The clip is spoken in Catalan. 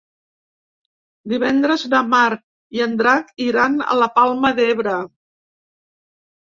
Divendres na Mar i en Drac iran a la Palma d'Ebre.